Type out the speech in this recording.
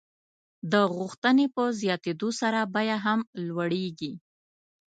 د غوښتنې په زیاتېدو سره بیه هم لوړېږي.